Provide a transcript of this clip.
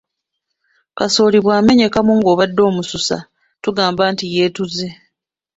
Kasooli bw’amenyekamu ng’obadde omususa tugamba nti yeetuze.